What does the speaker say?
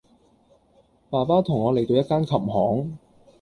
爸爸同我嚟到一間琴行